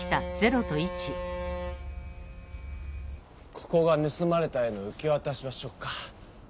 ここがぬすまれた絵の受けわたし場所か。